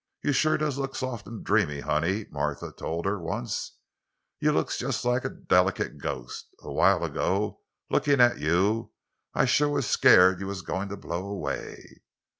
"You shuah does look soft an' dreamy, honey," Martha told her once. "You looks jes' like a delicate ghost. A while ago, lookin' at you, I shuah was scared you was goin' to blow away!"